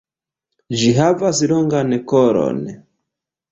Ĝi havas longan kolon.